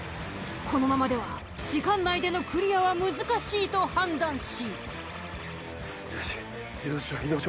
このままでは時間内でのクリアは難しいと判断し。